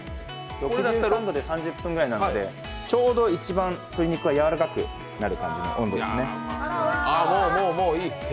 ６３度で３０分ぐらいなのでちょうど一番鶏肉が柔らかくなる温度ですね。